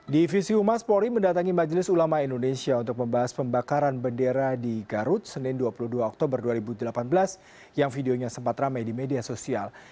divisi humas polri mendatangi majelis ulama indonesia untuk membahas pembakaran bendera di garut senin dua puluh dua oktober dua ribu delapan belas yang videonya sempat rame di media sosial